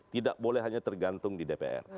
tidak boleh hanya tergantung di dpr